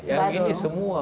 yang ini semua